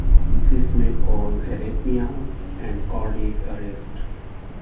This may cause arrhythmias and cardiac arrest.